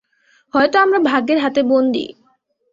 হয়তো আমরা ভাগ্যের হাতে বন্দি।